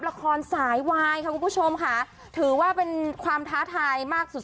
ละครสายวายค่ะคุณผู้ชมค่ะถือว่าเป็นความท้าทายมากสุด